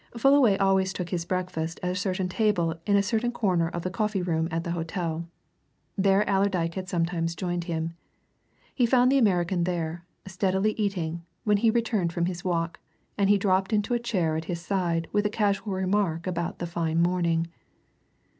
Fullaway always took his breakfast at a certain table in a certain corner of the coffee room at the hotel; there Allerdyke had sometimes joined him. He found the American there, steadily eating, when he returned from his walk, and he dropped into a chair at his side with a casual remark about the fine morning.